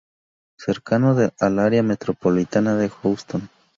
Cercano al Área Metropolitana de Houston.